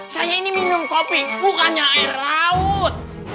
saya ini minum kopi bukannya air laut